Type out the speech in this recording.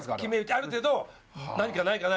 ある程度。